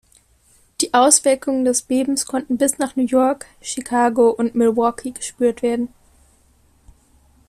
Die Auswirkungen des Bebens konnten bis nach New York, Chicago und Milwaukee gespürt werden.